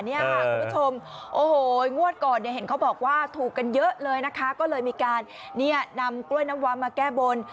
คุณผู้ชมโอ้โหงวดก่อนเนี่ยเห็นเขาบอกว่าถูกกันเยอะเลยนะคะก็เลยมีการนำกล้วยน้ำว้ามาแก้บน